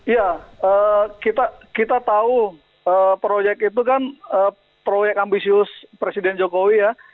ya kita tahu proyek itu kan proyek ambisius presiden jokowi ya